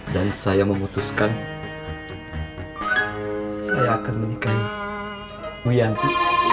dan saya memutuskan saya akan menikahi wianti